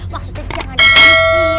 maksudnya jangan diusir